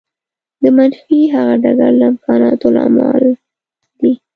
د منفي هغه ډګر له امکاناتو مالامال دی.